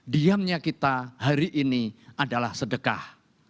diamnya kita hari ini adalah sedekah